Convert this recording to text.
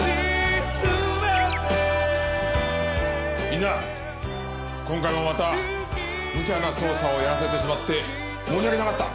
みんな今回もまた無茶な捜査をやらせてしまって申し訳なかった！